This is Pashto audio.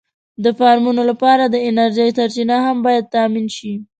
د فارمونو لپاره د انرژۍ سرچینه هم باید تأمېن شي.